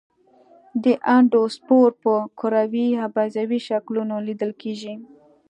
دا اندوسپور په کروي یا بیضوي شکلونو لیدل کیږي.